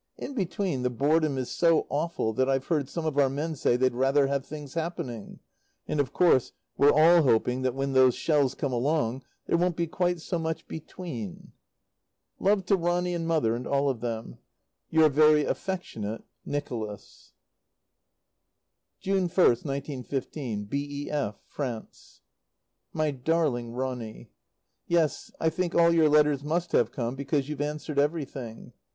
In between, the boredom is so awful that I've heard some of our men say they'd rather have things happening. And, of course, we're all hoping that when those shells come along there won't be quite so much "between." Love to Ronny and Mother and all of them. Your very affectionate, NICHOLAS. June 1st, 1915. B.E.F., FRANCE. My Darling Ronny, Yes, I think all your letters must have come, because you've answered everything.